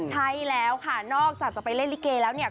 ใช่แล้วค่ะนอกจากจะไปเล่นลิเกแล้วเนี่ย